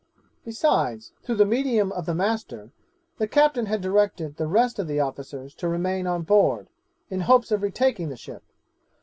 'Besides, through the medium of the master, the captain had directed the rest of the officers to remain on board, in hopes of retaking the ship.